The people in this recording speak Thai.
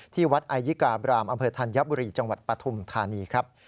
ที่วัดไอยิกาบรามอำเภอธัญบุรีจังหวัดปฐุมธานีครับ